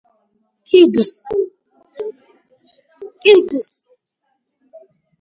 kids